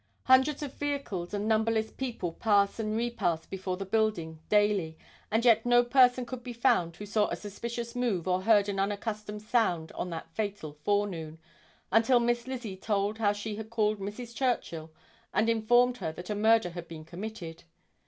Hundreds of vehicles and numberless people pass and repass before the building daily and yet no person could be found who saw a suspicious move or heard an unaccustomed sound on that fatal forenoon, until Miss Lizzie told how she had called Mrs. Churchill, and informed her that a murder had been committed.